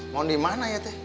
mondi mana ya teh